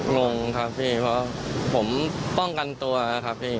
งงครับพี่เพราะผมป้องกันตัวครับพี่